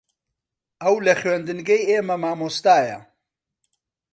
ئەو لە خوێندنگەی ئێمە مامۆستایە.